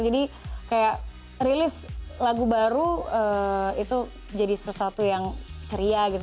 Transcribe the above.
kayak rilis lagu baru itu jadi sesuatu yang ceria gitu